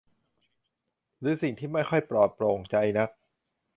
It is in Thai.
หรือสิ่งที่ไม่ค่อยปลอดโปร่งใจนัก